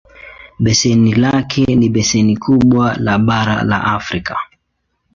Beseni lake ni beseni kubwa le bara la Afrika.